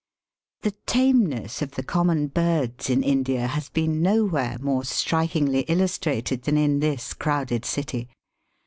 The tameness of the common birds in India has been nowhere more strikingly illustrated than in this crowded city.